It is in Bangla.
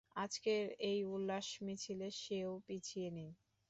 আজকের এই উল্লাস মিছিলে সেও পিছিয়ে নেই।